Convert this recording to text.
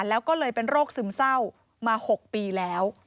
แล้วก็เลยเป็นโรคซึมเศร้ามา๖ปีแล้ว